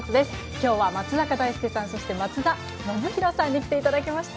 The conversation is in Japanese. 今日は松坂大輔さんそして松田宣浩さんに来ていただきました。